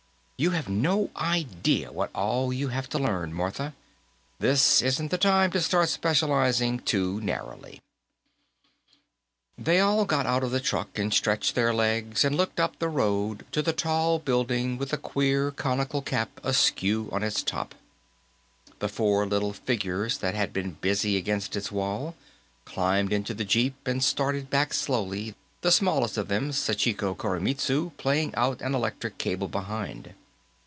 "You have no idea what all you have to learn, Martha. This isn't the time to start specializing too narrowly." They all got out of the truck and stretched their legs and looked up the road to the tall building with the queer conical cap askew on its top. The four little figures that had been busy against its wall climbed into the jeep and started back slowly, the smallest of them, Sachiko Koremitsu, paying out an electric cable behind.